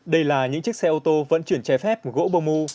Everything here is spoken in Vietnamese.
đây là những chiếc xe ô tô vận chuyển trái phép gỗ pơ mu